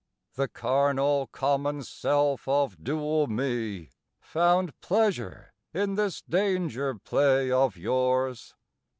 The carnal, common self of dual me Found pleasure in this danger play of yours.